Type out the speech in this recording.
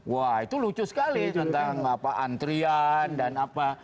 wah itu lucu sekali tentang antrian dan apa